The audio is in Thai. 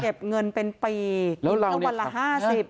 เก็บเงินเป็นปีวันละ๕๐